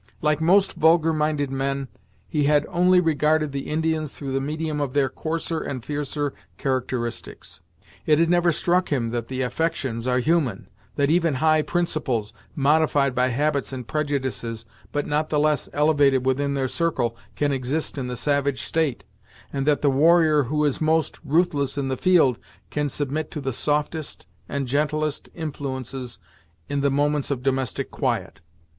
Like most vulgar minded men, he had only regarded the Indians through the medium of their coarser and fiercer characteristics. It had never struck him that the affections are human, that even high principles modified by habits and prejudices, but not the less elevated within their circle can exist in the savage state, and that the warrior who is most ruthless in the field, can submit to the softest and gentlest influences in the moments of domestic quiet.